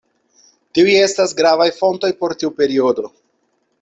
Tiuj estas gravaj fontoj por tiu periodo.